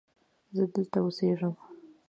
زه دلته اوسیږم.